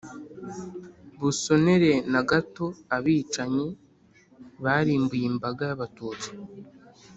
busonera na gato abicanyi barimbuye imbaga y'abatutsi